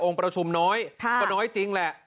ประชุมน้อยก็น้อยจริงแหละ